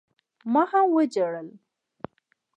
ما هم وجړل.